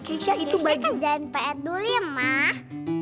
keisha beengan adunan keumbangan jullie mah